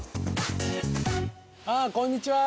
ああこんにちは！